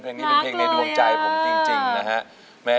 เพลงนี้เป็นเพลงในดวงใจผมจริงนะฮะ